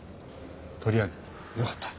とりあえずよかった。